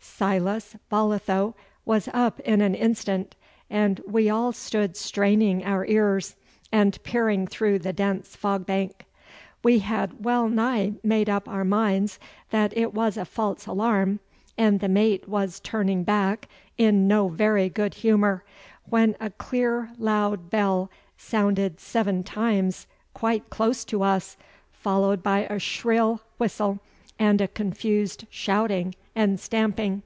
Silas Bolitho was up in an instant, and we all stood straining our ears, and peering through the dense fog bank. We had well nigh made up our minds that it was a false alarm, and the mate was turning back in no very good humour, when a clear loud bell sounded seven times quite close to us, followed by a shrill whistle and a confused shouting and stamping.